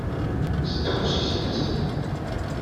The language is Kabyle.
Kkes-d afus-nnek seg temzit.